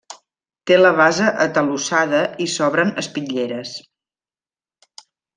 Té la base atalussada i s'obren espitlleres.